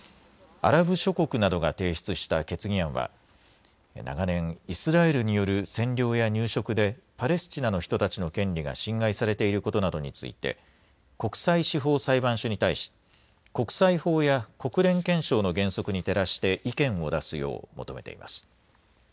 アラブ諸国などが提出した決議案は、長年、イスラエルによる占領や入植でパレスチナの人たちの権利が侵害されていることなどについて、国際司法裁判所に対し、国際法や国連憲章の原則に照らして意見を出すよう求めています。